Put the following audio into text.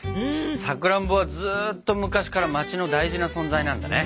さくらんぼはずっと昔から街の大事な存在なんだね。